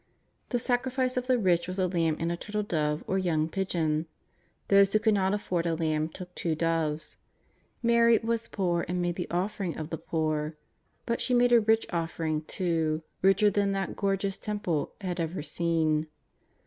The sacrifice of the rich was a lamb and a turtle dove or young pigeon. Those who could not afford a lamb took two doves. Mary was poor and made the offering of the poor. But she made a rich Offering too, richer than that gorgeous Temple had ever seen.